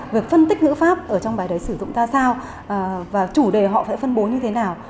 việc phân tích ngữ pháp ở trong bài đấy sử dụng ra sao và chủ đề họ phải phân bố như thế nào